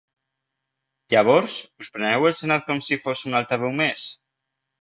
Llavors, us preneu el senat com si fos un altaveu més?